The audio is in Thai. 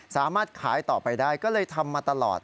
สามารถขายต่อไปได้ก็เลยทำมาตลอด